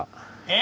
え？